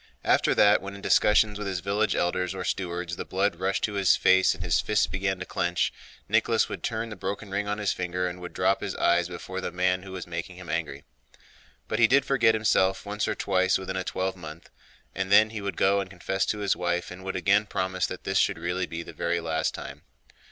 After that, when in discussions with his village elders or stewards the blood rushed to his face and his fists began to clench, Nicholas would turn the broken ring on his finger and would drop his eyes before the man who was making him angry. But he did forget himself once or twice within a twelvemonth, and then he would go and confess to his wife, and would again promise that this should really be the very last time.